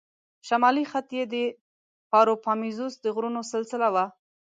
شمالي خط یې د پاروپامیزوس د غرونو سلسله وه.